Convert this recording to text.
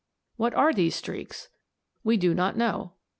"What are these streaks? We do not know.